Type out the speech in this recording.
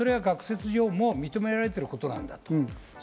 それを学説上も認められていることなんだと。